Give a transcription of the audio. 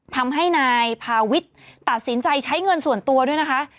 ทำให้นายพาวิทย์ตัดสินใจใช้เงินส่วนตัวด้วยนะคะ